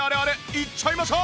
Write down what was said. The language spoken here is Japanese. いっちゃいましょう！